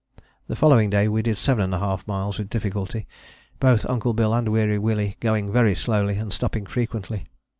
The following day we did 7½ miles with difficulty, both Uncle Bill and Weary Willie going very slowly and stopping frequently.